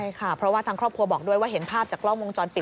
ใช่ค่ะเพราะว่าทางครอบครัวบอกด้วยว่าเห็นภาพจากกล้องวงจรปิด